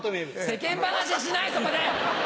世間話しない、そこで。